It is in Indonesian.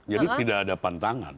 jadi tidak ada pantangan